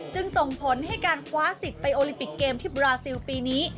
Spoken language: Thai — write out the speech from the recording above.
จึงส่งผลให้การคว้าสิทธิ์ไปโอลิปิกเกมที่บราซิลปีนี้